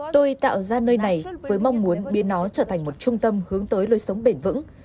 tôi tạo ra nơi này với mong muốn biến nó trở thành một trung tâm hướng tới lối sống bền vững